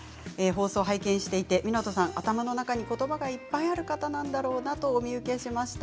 湊さんは頭の中にことばがいっぱいある方なんだろうなとお見受けしました。